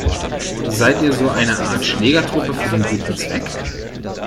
Seid ihr so eine Art Schlägertruppe für den guten Zweck?